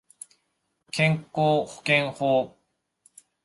健康保険法